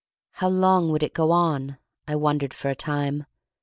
How long would it go on? I wondered for a time.